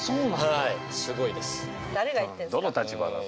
はいすごいです。